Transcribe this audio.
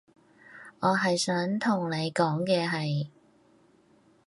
我係想同你講嘅係